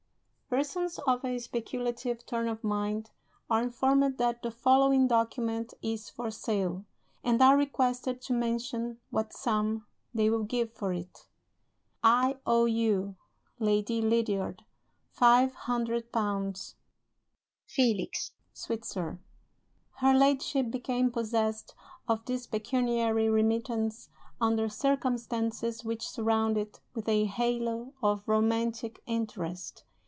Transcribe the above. Persons of a speculative turn of mind are informed that the following document is for sale, and are requested to mention what sum they will give for it. "IOU, Lady Lydiard, five hundred pounds (L500), Felix Sweetsir." Her Ladyship became possessed of this pecuniary remittance under circumstances which surround it with a halo of romantic interest.